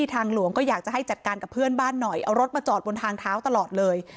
ทางหลวงก็อยากจะให้จัดการกับเพื่อนบ้านหน่อยเอารถมาจอดบนทางเท้าตลอดเลย